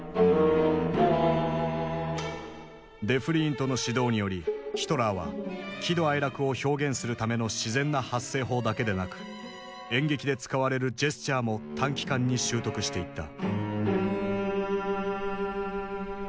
デフリーントの指導によりヒトラーは喜怒哀楽を表現するための自然な発声法だけでなく演劇で使われるジェスチャーも短期間に習得していった。